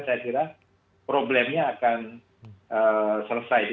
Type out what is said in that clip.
saya kira problemnya akan selesai